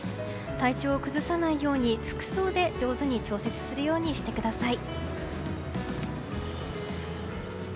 体調を崩さないように服装で上手に調節するようにしてください。